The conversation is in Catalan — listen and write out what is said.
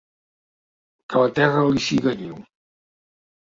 Que la terra li siga lleu.